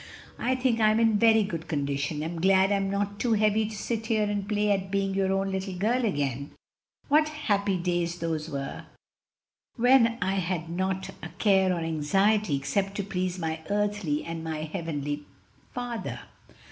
"I think I'm in very good condition; am glad I'm not too heavy to sit here and play at being your own little girl again. What happy days those were! when I had not a care or anxiety except to please my earthly and my heavenly father."